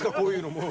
もう！